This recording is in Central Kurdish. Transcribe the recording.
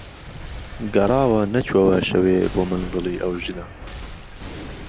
گەراوه نهچوهوە شهوێ بۆ مهنزڵی ئه وژنه